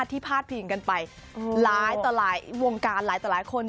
พาดพิงกันไปหลายต่อหลายวงการหลายต่อหลายคน